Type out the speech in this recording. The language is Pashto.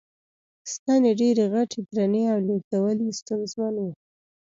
ستنې ډېرې غټې، درنې او لېږدول یې ستونزمن و.